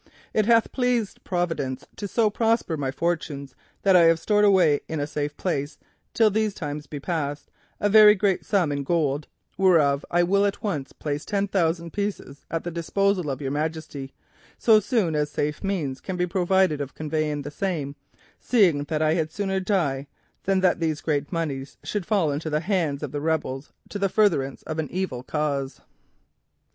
It hath pleased Providence to so prosper my fortunes that I have stored away in a safe place, till these times be past, a very great sum in gold, whereof I will at once place ten thousand pieces at the disposal of your Majesty, so soon as a safe means can be provided of conveying the same, seeing that I had sooner die than that these great moneys should fall into the hands of rebels to the furtherance of a wicked cause.